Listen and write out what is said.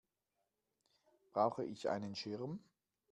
Brauche ich einen Schirm?